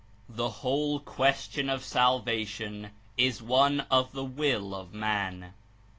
The whole question of salvation is one of the will of man.